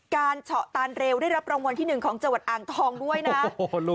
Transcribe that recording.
การเฉาะตานเร็วได้รับรางวัลที่หนึ่งของจังหวัดอ่างทองด้วยนะโอ้โหลุง